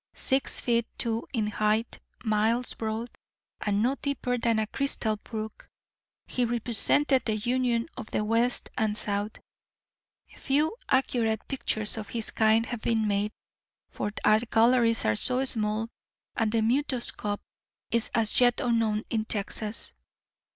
Six feet two in height, miles broad, and no deeper than a crystal brook, he represented the union of the West and South. Few accurate pictures of his kind have been made, for art galleries are so small and the mutoscope is as yet unknown in Texas.